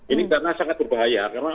ini karena sangat berbahaya